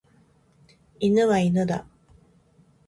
犬は犬だ。